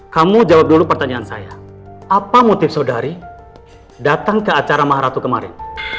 kamu jawab dulu pertanyaan saya apa motif saudari datang ke acara maha ratu kemarin